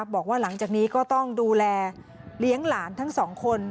บอกว่าหลังจากนี้ก็ต้องดูแลเลี้ยงหลานทั้งสองคน